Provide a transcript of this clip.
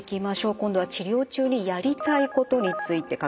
今度は治療中にやりたいことについて書かれています。